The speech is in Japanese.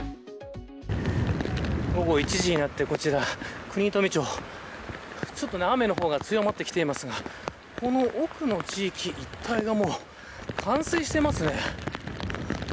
午後１時になってこちら国富町雨の方が強まってきていますがこの奥の地域一帯が冠水していますね。